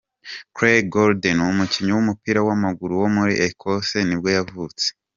Craig Gordon, umukinnyi w’umupira w’amaguru wo muri Ecosse nibwo yavutse.